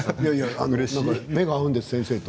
目が合うんです、先生と。